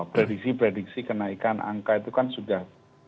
prediksi prediksi kenaikan angka itu kan sudah